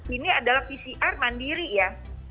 ini adalah pcr mandiri ya